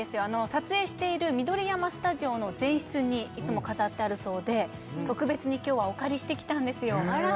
撮影している緑山スタジオの前室にいつも飾ってあるそうで特別に今日はお借りしてきたんですよ